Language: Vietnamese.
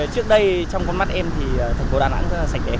trước đây trong con mắt em thì thành phố đà nẵng rất là sạch đẹp